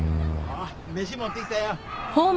飯持ってきたよ。